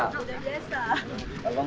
oh kebalik ya pak